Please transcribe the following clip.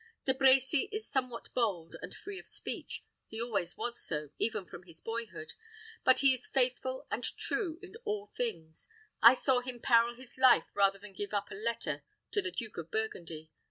De Brecy is somewhat bold, and free of speech. He always was so, even from his boyhood; but he is faithful and true in all things. I saw him peril his life rather than give up a letter to the Duke of Burgundy.